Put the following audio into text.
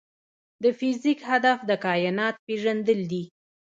د فزیک هدف د کائنات پېژندل دي.